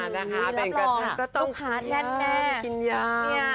รับรองก็ต้องกินยำ